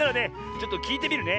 ちょっときいてみるね。